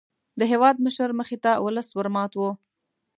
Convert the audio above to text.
د هېوادمشر مخې ته ولس ور مات وو.